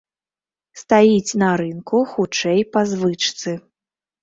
Стаіць на рынку, хутчэй, па звычцы.